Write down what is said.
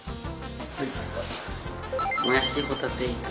もやしホタテ炒め。